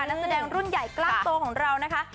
นักแสดงรุ่นใหญ่กล้ามโตของเรานะคะ